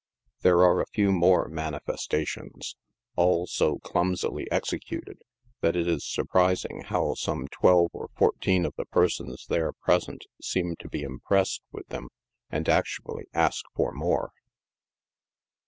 There are a few more " manifestations," all so clumsily executed, that it is surprising how some twelve or fourteen of the persons there present seem to be impressed with them, and actually " ask for more."